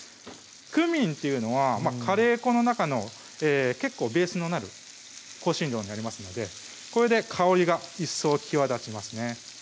クミンっていうのはカレー粉の中の結構ベースになる香辛料になりますのでこれで香りがいっそう際立ちますね